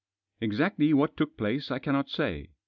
" Exactly what took place I cannot say.